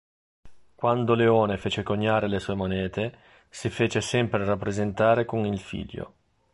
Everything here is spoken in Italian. Quando Leone fece coniare le sue monete, si fece sempre rappresentare con il figlio.